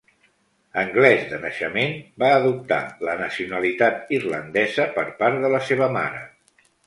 Anglès de naixement, va adoptar la nacionalitat irlandesa per part de la seva mare.